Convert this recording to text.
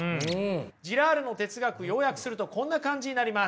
ジラールの哲学要約するとこんな感じになります。